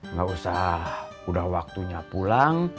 nggak usah udah waktunya pulang